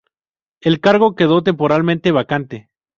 El cargo quedó temporalmente vacante.